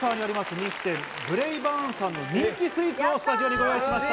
人気店・ブレイバーンさんの人気スイーツをご用意しました。